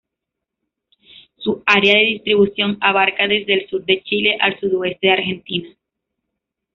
Su área de distribución abarca desde el sur de Chile al sudoeste de Argentina.